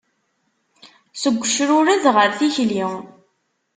Seg ucrured ɣar tikli.